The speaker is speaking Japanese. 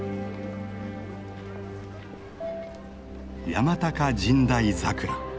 山高神代桜。